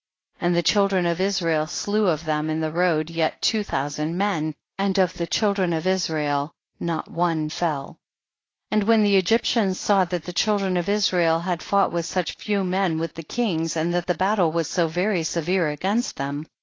38. And the children of Israel slew of them in the road yet two thousand men, and of the children of Israel not one fell. 39. And when the Egyptians saw that the children of Israel had fought with such few men with the kings, and that the battle was so very severe against them, 40.